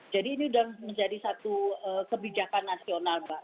ini sudah menjadi satu kebijakan nasional mbak